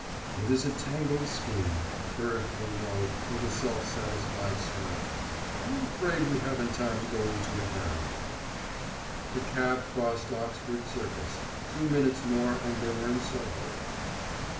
"It is a tangled skein," purred Furneaux with a self satisfied smirk; "I am afraid we haven't time now to go into it." The cab crossed Oxford Circus two minutes more and they were in Soho.